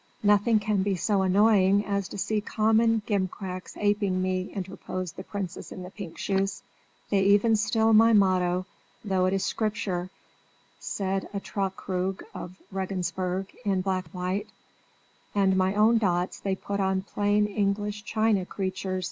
"Nothing can be so annoying as to see common gimcracks aping me," interposed the princess in the pink shoes. "They even steal my motto, though it is Scripture," said a Trauerkrug of Regensburg in black and white. "And my own dots they put on plain English china creatures!"